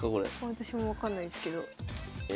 私も分かんないですけど。